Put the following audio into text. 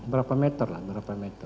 berapa meter lah berapa meter